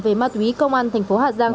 về ma túy công an thành phố hà giang